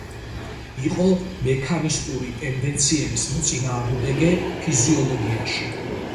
იყო მექანისტური ტენდენციების მოწინააღმდეგე ფიზიოლოგიაში.